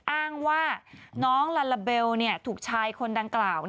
อ้างว่าน้องลาลาเบลถูกชายคนดังกล่าว